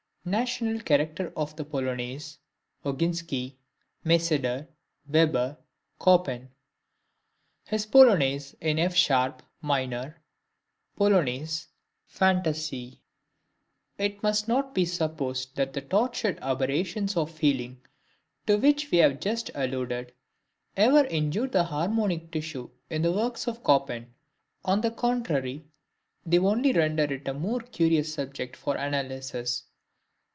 National Character of the Polonaise Oginski Meyseder Weber Chopin His Polonaise in F Sharp, Minor Polonaise Fantaisie. It must not be supposed that the tortured aberrations of feeling to which we have just alluded, ever injure the harmonic tissue in the works of Chopin on the contrary, they only render it a more curious subject for analysis.